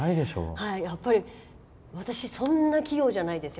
やっぱり私そんな器用じゃないですよ。